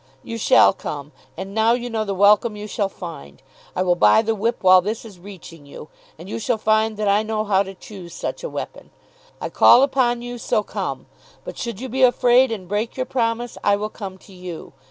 You shall come. And now you know the welcome you shall find. I will buy the whip while this is reaching you, and you shall find that I know how to choose such a weapon. I call upon you to come. But should you be afraid and break your promise, I will come to you.